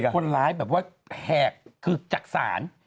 คนร้ายแบบว่าแหกคือจักษาน